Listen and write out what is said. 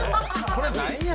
これ何や？